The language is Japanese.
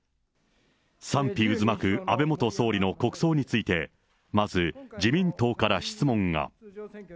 賛否渦巻く安倍元総理の国葬について、まず自民党から質問が。